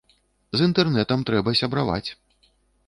З інтэрнэтам трэба сябраваць.